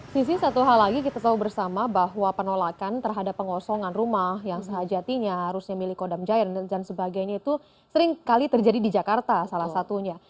sisi satu hal lagi kita tahu bersama bahwa penolakan terhadap pengosongan rumah yang sehajatinya harusnya milik kodam jaya dan sebagainya itu sering kali terjadi di jakarta salah satunya